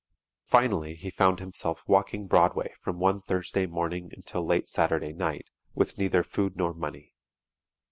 Finally he found himself walking Broadway from one Thursday morning until late Saturday night, with neither food nor money!